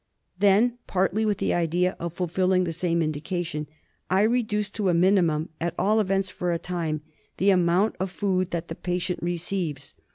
Then, partly with the idea of fulfilling the same indication, I reduce to a minimum, at all events for a time, the amount of food that the patient receives.